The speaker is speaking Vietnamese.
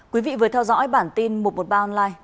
quý vị vừa theo dõi bản tin một trăm một mươi ba online